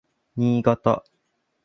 Niigata